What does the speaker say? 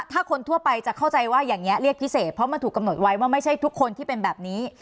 ถ้าคนทั่วไปจะเข้าใจว่าอย่างนี้เรียกพิเศษเพราะมันถูกกำหนดไว้ว่าไม่ใช่ทุกคนที่เป็นแบบนี้